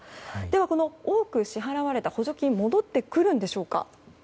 では、多く支払われた補助金は戻ってくるんでしょうか。